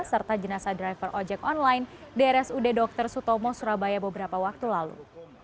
serta jenazah driver ojek online di rsud dr sutomo surabaya beberapa waktu lalu